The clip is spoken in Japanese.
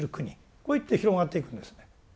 こういって広がっていくんですね。